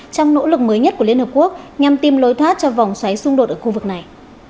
trong nỗ lực mới nhất của liên hợp quốc nhằm tìm lối thoát cho vòng xoáy xung đột ở khu vực này